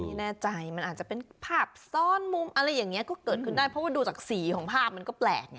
ไม่แน่ใจมันอาจจะเป็นภาพซ้อนมุมอะไรอย่างนี้ก็เกิดขึ้นได้เพราะว่าดูจากสีของภาพมันก็แปลกไง